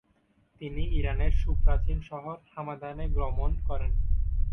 তিনি ইরানের সুপ্রাচীন শহর হামাদানে গমন করেন।